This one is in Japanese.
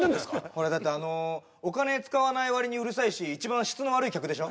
ほらだってあのお金使わないわりにうるさいし一番質の悪い客でしょ？